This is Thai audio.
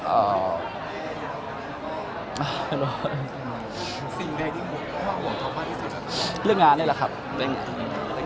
เอ่อหรือว่าเรื่องงานเนี้ยแหละครับเรื่องงานเรื่องงานเรื่องชีวิตนะครับ